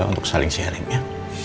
untuk saling sharing ya